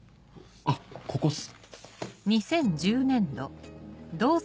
あっここっす。